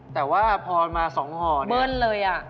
แต่ว่าพอมา๒หอนี่ครับเบิ้นเลย